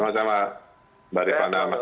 sama sama mbak rifana dan pak jurnal mas